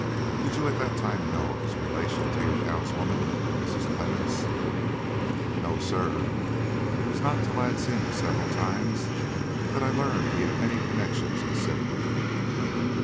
"Did you at that time know of his relation to your townswoman, Mrs. Clemmens?" "No, sir. It was not till I had seen him several times that I learned he had any connections in Sibley."